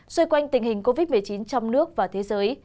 xoay quanh tình hình covid một mươi chín trong nước và thế giới